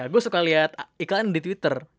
gue suka lihat iklan di twitter